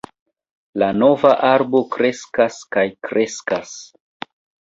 La nova arbo kreskas kaj kreskas.